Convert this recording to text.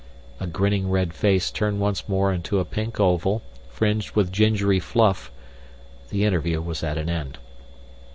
A grinning red face turned once more into a pink oval, fringed with gingery fluff; the interview was at an end.